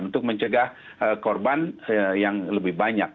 untuk mencegah korban yang lebih banyak